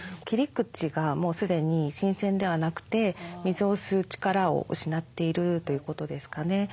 切り口がもう既に新鮮ではなくて水を吸う力を失っているということですかね。